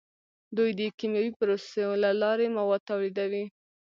دوی د کیمیاوي پروسو له لارې مواد تولیدوي.